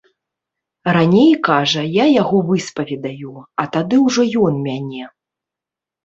Раней, кажа, я яго выспаведаю, а тады ўжо ён мяне.